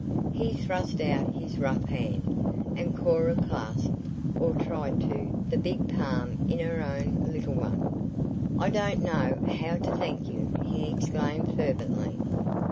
He thrust out his rough hand, and Cora clasped or tried to the big palm in her own little one. "I I don't know how to thank you!" he exclaimed fervently.